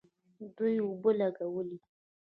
دوی اوبه لګولې.